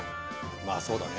まあそうだね。